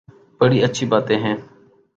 بڑی اچھی باتیں ہیں۔